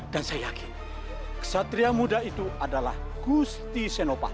dan saya yakin kesatria muda itu adalah gusti senopati